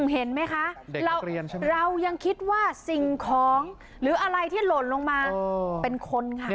เห็นไหมคะเรายังคิดว่าสิ่งของหรืออะไรที่หล่นลงมาเป็นคนค่ะ